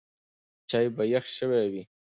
چای به یخ شوی وي.